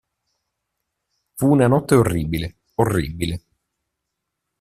Fu una notte orribile, orribile.